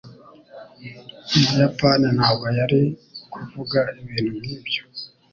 Umuyapani ntabwo yari kuvuga ibintu nkibyo.